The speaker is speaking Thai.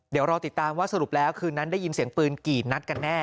เดี๋ยวรอติดตามว่าสรุปแล้วคืนนั้นได้ยินเสียงปืนกี่นัดกันแน่